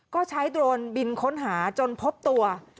ก็ใช้โดรนบินค้นหาจนพบตัว